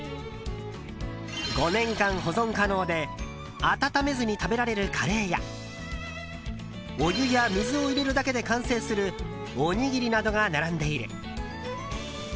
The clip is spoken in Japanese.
５年間保存可能で温めずに食べられるカレーやお湯や水を入れるだけで完成するおにぎりなどが並んでいる。